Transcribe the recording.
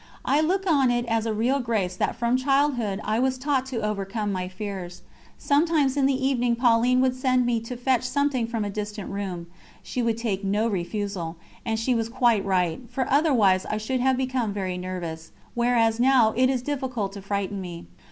I look on it as a real grace that from childhood I was taught to overcome my fears. Sometimes in the evening Pauline would send me to fetch something from a distant room; she would take no refusal, and she was quite right, for otherwise I should have become very nervous, whereas now it is difficult to frighten me.